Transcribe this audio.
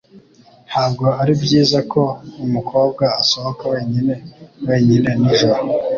Ntabwo ari byiza ko umukobwa asohoka wenyine wenyine nijoro.